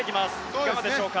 いかがでしょうか。